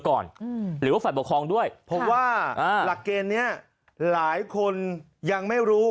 ก่อนหรือว่าฝ่ายปกครองด้วยเพราะว่าหลักเกณฑ์นี้หลายคนยังไม่รู้